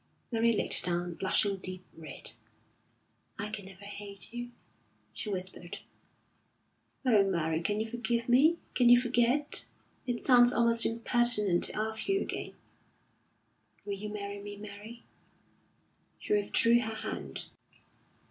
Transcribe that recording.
Mary looked down, blushing deep red. "I can never hate you," she whispered. "Oh, Mary, can you forgive me? Can you forget? It sounds almost impertinent to ask you again Will you marry me, Mary?" She withdrew her hand.